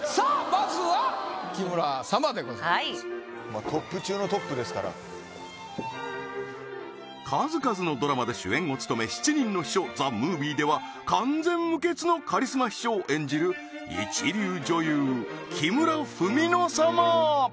まあトップ中のトップですから数々のドラマで主演を務め七人の秘書ＴＨＥＭＯＶＩＥでは完全無欠のカリスマ秘書を演じる一流女優木村文乃様